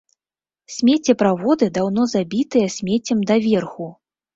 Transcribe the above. Смеццеправоды даўно забітыя смеццем даверху.